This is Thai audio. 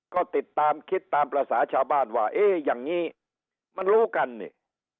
ก็ติดตามคิดตามภาษาชาวบ้านว่าเอ๊ะอย่างนี้มันรู้กันนี่